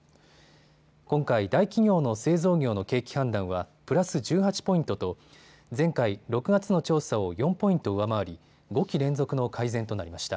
今回、大企業の製造業の景気判断はプラス１８ポイントと前回６月の調査を４ポイント上回り５期連続の改善となりました。